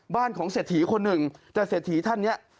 บ้านของเศรษฐีคนหนึ่งแต่เศรษฐีท่านเนี่ย